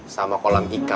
sama kolam ikan